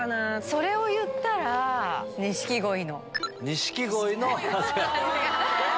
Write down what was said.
それを言ったら錦鯉の。